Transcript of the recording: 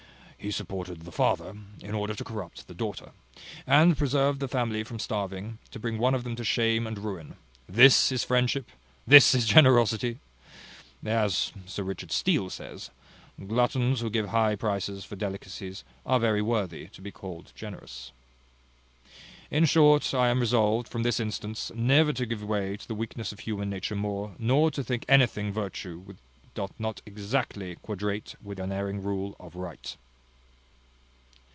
He supported the father in order to corrupt the daughter, and preserved the family from starving, to bring one of them to shame and ruin. This is friendship! this is generosity! As Sir Richard Steele says, `Gluttons who give high prices for delicacies, are very worthy to be called generous.' In short I am resolved, from this instance, never to give way to the weakness of human nature more, nor to think anything virtue which doth not exactly quadrate with the unerring rule of right."